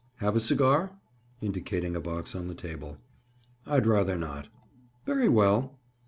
"Have a cigar?" Indicating a box on the table. "I'd rather not." "Very well!"